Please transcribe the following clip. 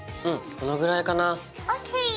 このぐらいかな。ＯＫ！